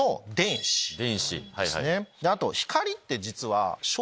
あと。